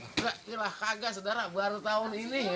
tidak tidak kaga sedara baru tahun ini